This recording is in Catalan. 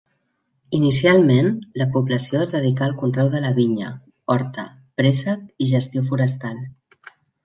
Inicialment, la població es dedicà al conreu de la vinya, horta, préssec i gestió forestal.